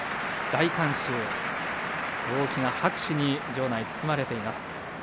大きな拍手に場内包まれています。